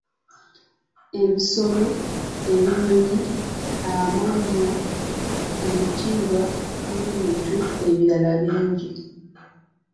Ebisolo, ebinyonyi, amannya, ebitiibwa n’ebintu ebirala bingi